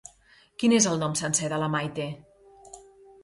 Quin és el nom sencer de la Maite?